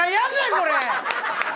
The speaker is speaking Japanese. これ！